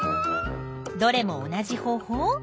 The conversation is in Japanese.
どれも同じ方法？